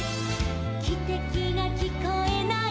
「きてきがきこえない」